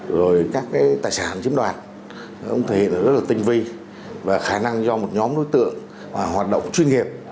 rồi các cái tài sản chiếm đoạt thể hiện rất là tinh vi và khả năng do một nhóm đối tượng hoạt động chuyên nghiệp